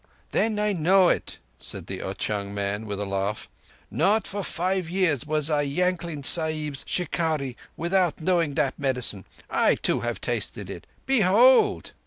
Then I know it," said the Ao chung man with a laugh. "Not for five years was I Yankling Sahib's shikarri without knowing that medicine. I too have tasted it. Behold!"